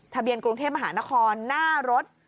ทะเบียนกรุงเทพมหานครหน้ารถ